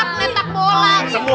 aduh aduh aduh aduh aduh aduh aduh